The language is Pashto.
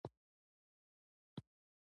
هغه لیکونه واستول.